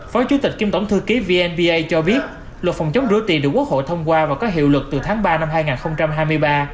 phó chủ tịch kiêm tổng thư ký vnba cho biết luật phòng chống rửa tiền được quốc hội thông qua và có hiệu lực từ tháng ba năm hai nghìn hai mươi ba